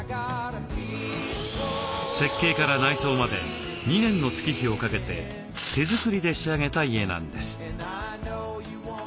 設計から内装まで２年の月日をかけて手作りで仕上げた家なんです。